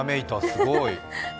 すごーい。